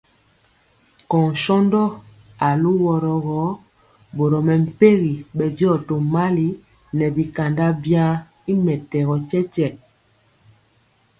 Kɔɔ shondɔ aluworo gɔ, boro mɛmpegi bɛndiɔ tomali nɛ bikanda biwa y mɛtɛgɔ tyetye.